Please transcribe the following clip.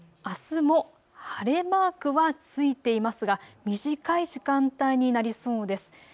あすも晴れマークは付いていますが、短い時間帯になりそうです。